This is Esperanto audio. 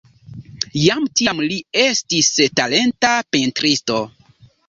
Jam tiam li estis talenta pentristo.